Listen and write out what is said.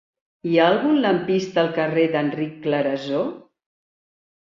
Hi ha algun lampista al carrer d'Enric Clarasó?